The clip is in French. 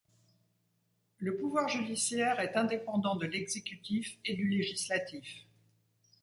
Le pouvoir judiciaire est indépendant de l’exécutif et du législatif.